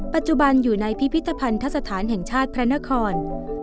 ปัจจุบันอยู่ในพิพิธภัณฑ์ทักษัตริย์แห่งชาติแพลนคร